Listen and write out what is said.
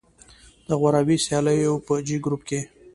د غوراوي سیالیو په جې ګروپ کې